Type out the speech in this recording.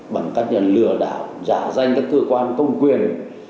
bằng các nhà lừa đảo giả danh các cơ quan công quyền